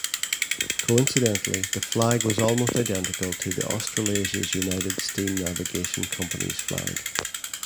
Coincidentally the flag was almost identical to the Australasia's United Steam Navigation Company's flag.